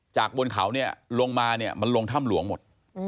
จากบนเขาลงมามันลงถ้ำหลวงหมด